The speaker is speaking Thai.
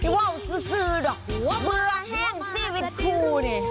ว้าวซื๊บซื้อด่อเบื่อแห้งเฉียงเห้าเน่